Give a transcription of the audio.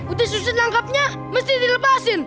udah susah nangkapnya mesti dilepasin